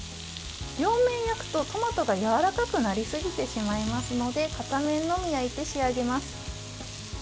両面焼くと、トマトがやわらかくなりすぎてしまいますので片面のみ焼いて仕上げます。